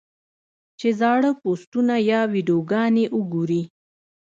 چې زاړۀ پوسټونه يا ويډيوګانې اوګوري -